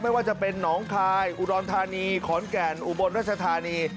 ไม่ว่าจะเป็นหนองคายอุดรธานีขอนแก่นอุบลรัชธานี